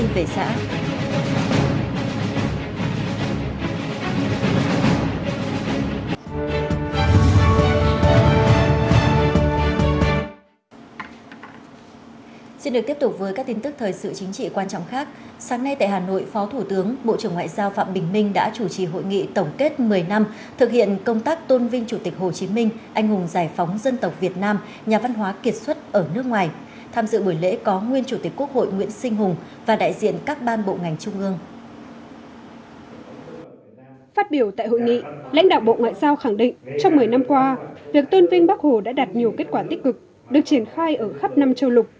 việc tôn vinh bắc hồ đã đạt nhiều kết quả tích cực được triển khai ở khắp năm châu lục